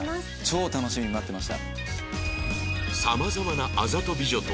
超楽しみに待ってました。